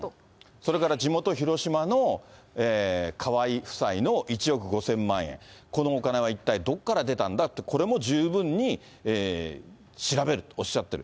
それから地元、広島の河井夫妻の１億５０００万円、このお金は一体どこから出たんだって、これも十分に調べるとおっしゃってる。